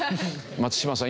松嶋さん